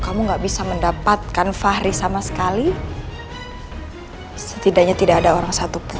kamu gak bisa mendapatkan fahri sama sekali setidaknya tidak ada orang satupun